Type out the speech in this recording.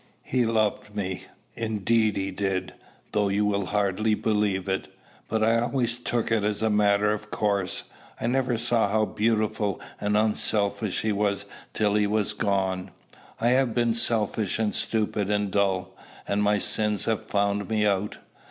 He loved me: indeed he did, though you will hardly believe it; but I always took it as a matter of course. I never saw how beautiful and unselfish he was till he was gone. I have been selfish and stupid and dull, and my sins have found me out.